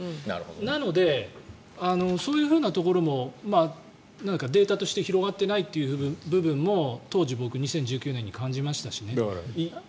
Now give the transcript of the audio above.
なので、そういうふうなところもデータとして広がっていないという部分も当時、僕２０１９年に感じましたしね。